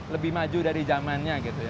lebih maju dari zamannya gitu ya